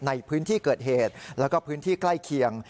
ในพื้นที่เกิดเหตุแล้วก็พื้นที่ใกล้เคียง